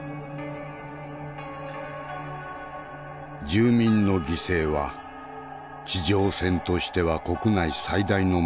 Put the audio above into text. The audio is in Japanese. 住民の犠牲は地上戦としては国内最大のものとなった。